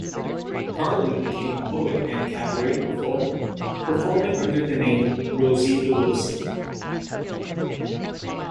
Garland became a poet and cabaret performer, performing under the name Rosie Lugosi.